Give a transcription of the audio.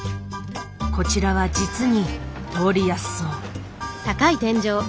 こちらは実に通りやすそう。